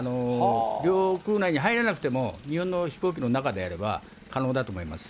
領空内に入らなくても、日本の飛行機の中であれば、可能だと思います。